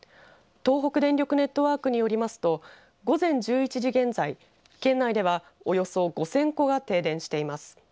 東北電力ネットワークによりますと午前１１時現在県内では、およそ５０００戸が停電しています。